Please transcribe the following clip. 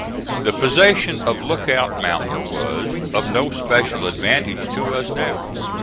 The possession of Lookout Mountain was of no special advantage to us now.